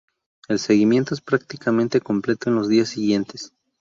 El seguimiento es prácticamente completo en los días siguientes.